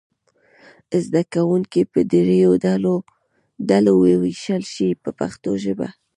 زده کوونکي به دریو ډلو وویشل شي په پښتو ژبه.